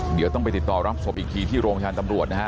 เดี๋ยวต้องไปติดต่อรับศพอีกทีที่โรงพยาบาลตำรวจนะฮะ